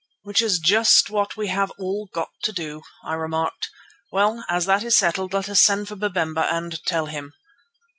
"Which is just what we have all got to do," I remarked. "Well, as that is settled, let us send for Babemba and tell him."